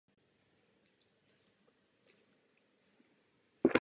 Na západě na něj rovněž navazuje "Boulevard Haussmann".